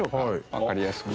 わかりやすく。